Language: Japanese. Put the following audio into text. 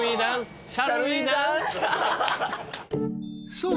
［そう。